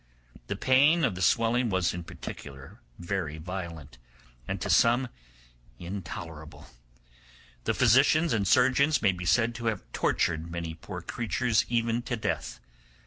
The pain of the swelling was in particular very violent, and to some intolerable; the physicians and surgeons may be said to have tortured many poor creatures even to death.